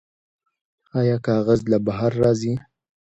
آیا کاغذ له بهر راځي؟